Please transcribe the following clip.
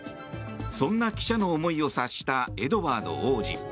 そんな記者の思いを察したエドワード王子。